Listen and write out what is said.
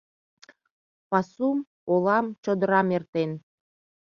Пасум, олам, чодырам эртен.